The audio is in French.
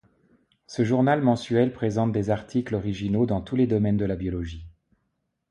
Ce journal mensuel présente des articles originaux dans tous les domaines de la biologie.